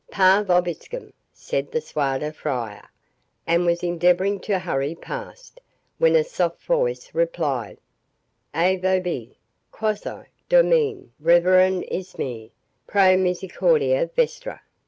"'Pax vobiscum!'" said the pseudo friar, and was endeavouring to hurry past, when a soft voice replied, "'Et vobis—quaso, domine reverendissime, pro misericordia vestra'."